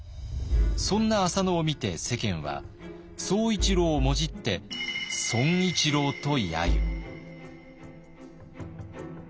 そんな浅野を見て世間は「総一郎」をもじって「損一郎」とやゆ。